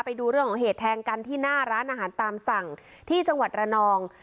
ไปดูเรื่องของเหตุแทงกันที่หน้าร้านอาหารตามสั่งที่จังหวัดระนอง